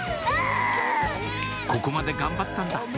「ここまで頑張ったんだ